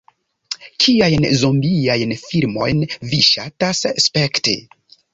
"Kiajn zombiajn filmojn vi ŝatas spekti?"